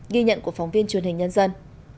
ghi nhận của phóng viên truyền hình nhân dân